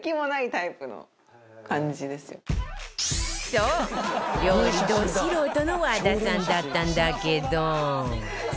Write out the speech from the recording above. そう料理ド素人の和田さんだったんだけど